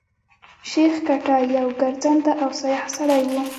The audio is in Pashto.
شېخ کټه يو ګرځنده او سیاح سړی وو.